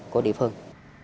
của địa phương